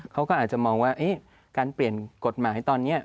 เขาก็อาจจะมองว่าการเปลี่ยนกฎหมายตอนนี้